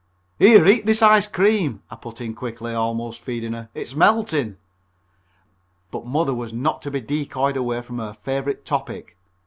"Here, eat this ice cream," I put in quickly, almost feeding her. "It's melting." But Mother was not to be decoyed away from her favorite topic.